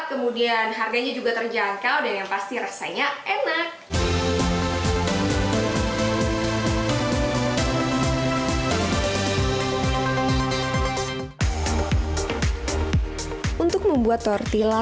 kemudian harganya juga terjangkau dan yang pasti rasanya enak untuk membuat tortilla